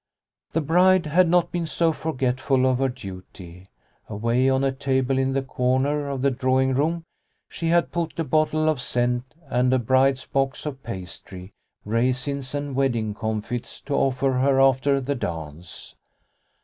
The bride had not been so forgetful of her The Bride's Dance 113 duty. Away on a table in the corner of the drawing room she had put a bottle of scent and a bride's box of pastry, raisins and wedding comfits to offer her after the dance.